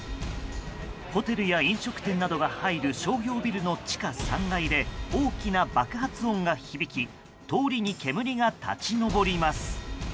ホテルや飲食店などが入る商業ビルの地下３階で大きな爆発音が響き通りに煙が立ち上ります。